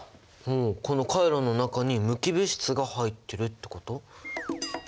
このカイロの中に無機物質が入ってるってこと？